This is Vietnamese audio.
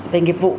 về nghiệp vụ